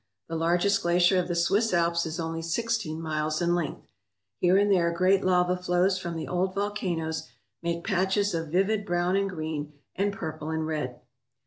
The largest glacier of the Swiss Alps is only sixteen miles in length. Here and there great lava flows from the old volcanoes make patches of vivid brown and green and purple and red.